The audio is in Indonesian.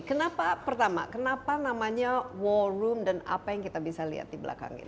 kenapa pertama kenapa namanya war room dan apa yang kita bisa lihat di belakang ini